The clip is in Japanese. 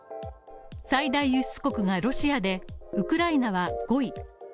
最大輸出国がロシアで、ウクライナは５位。